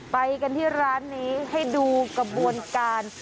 ไปกันที่ร้านนี้ให้ดูกระบวนการ